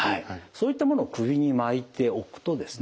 そういったものを首に巻いておくとですね